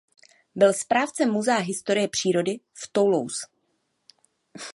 Byl správcem Muzea historie přírody v Toulouse.